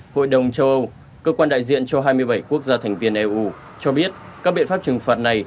hội đồng châu âu cơ quan đại diện cho hai mươi bảy quốc gia thành viên eu cho biết các biện pháp trừng phạt này